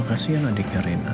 kasihan adiknya reina